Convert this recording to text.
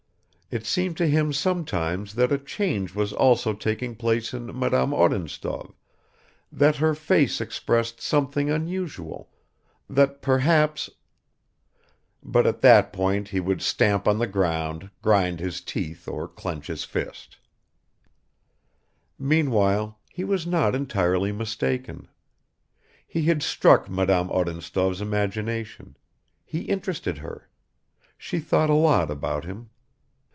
It seemed to him sometimes that a change was also taking place in Madame Odintsov, that her face expressed something unusual, that perhaps ... but at that point he would stamp on the ground, grind his teeth or clench his fist. Meanwhile he was not entirely mistaken. He had struck Madame Odintsov's imagination; he interested her; she thought a lot about him.